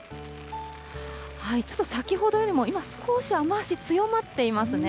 ちょっと先ほどよりも今、少し雨足、強まっていますね。